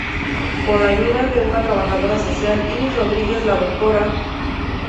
Con la ayuda de una trabajadora social, Iris Rodríguez, la Dra.